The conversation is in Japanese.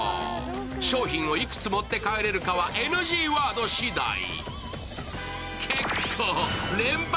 商品をいくつ持って帰れるかはＮＧワードしだい。